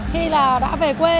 khi là đã về quê